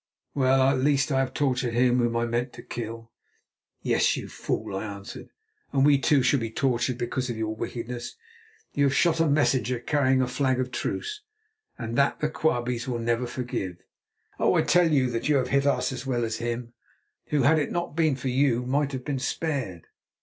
Well, at least I have tortured him whom I meant to kill." "Yes, you fool," I answered; "and we, too, shall be tortured because of your wickedness. You have shot a messenger carrying a flag of truce, and that the Quabies will never forgive. Oh! I tell you that you have hit us as well as him, who had it not been for you might have been spared."